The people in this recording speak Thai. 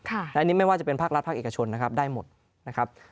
และอันนี้ไม่ว่าจะเป็นภาครัฐภาคเอกชนนะครับได้หมดนะครับ